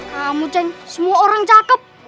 kamu semua orang cakep